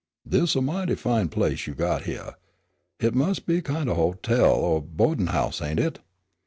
"Dis is a mighty fine place you got hyeah. Hit mus' be a kind of a hotel or boa'din' house, ain't hit?"